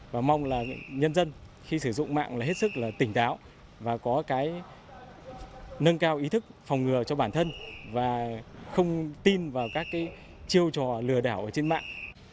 và mong là nhân dân khi sử dụng mạng là hết sức tỉnh táo và có nâng cao ý thức phòng ngừa cho bản thân và không tin vào các chiêu trò lừa đào trên mạng